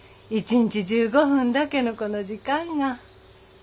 １日１５分だけのこの時間が。